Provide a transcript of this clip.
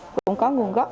cũng có nguồn gốc